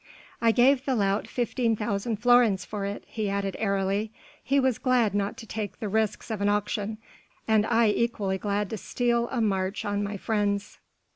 "I gave the lout fifteen thousand florins for it," he added airily, "he was glad not to take the risks of an auction, and I equally glad to steal a march on my friends."